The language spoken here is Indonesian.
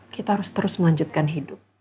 kita harus terus melanjutkan hidup